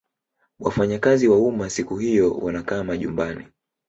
wafanyakazi wa umma siku hiyo wanakaa majumbani